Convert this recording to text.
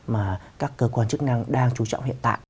mà các cơ quan chức năng đang chú trọng hiện tại